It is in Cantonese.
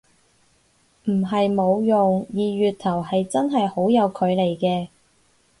唔係冇用，二月頭係真係好有距離嘅